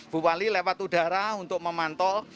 bu wali lewat udara untuk memantau